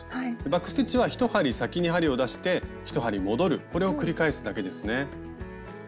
バック・ステッチは１針先に針を出して１針戻るこれを繰り返すだけですね。